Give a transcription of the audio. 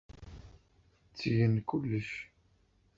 Ttgen kullec.